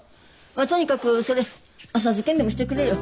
とにかくそれ浅漬けにでもしてくれや。